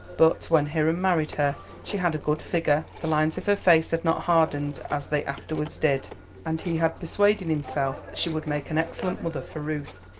But when Hiram married her she had a good figure, the lines of her face had not hardened as they afterwards did, and he had persuaded himself that she would make an excellent mother for Ruth.